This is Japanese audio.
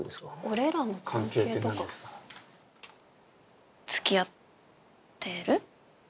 俺らの関係とか。付き合ってる？